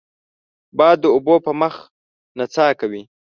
باد د اوبو په مخ نڅا کوي